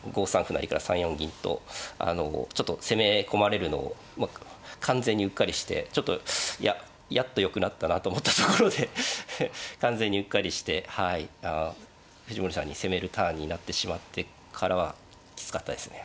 成から３四銀とちょっと攻め込まれるのを完全にうっかりしてちょっといややっとよくなったなと思ったところで完全にうっかりしてはい藤森さんに攻めるターンになってしまってからはきつかったですね